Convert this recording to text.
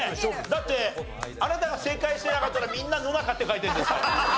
だってあなたが正解してなかったらみんな「のなか」って書いてるんですから。